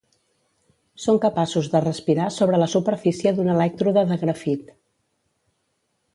Són capaços de respirar sobre la superfície d'un elèctrode de grafit.